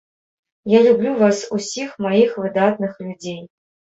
Я люблю вас усіх маіх выдатных людзей!